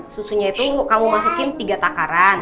susunya itu kamu masukin tiga takaran